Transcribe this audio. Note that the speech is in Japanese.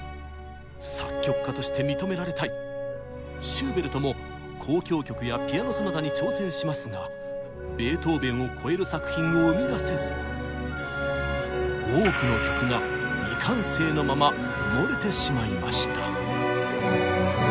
シューベルトも交響曲やピアノ・ソナタに挑戦しますがベートーベンを超える作品を生み出せず多くの曲が未完成のまま埋もれてしまいました。